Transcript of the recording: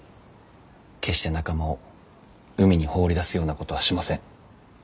決して仲間を海に放り出すようなことはしません。